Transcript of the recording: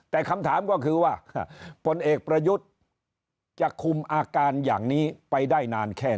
แต่คำถามก็คือว่าผลเอกประยุทธ์จะคุมอาการอย่างนี้ไปได้นานแค่ไหน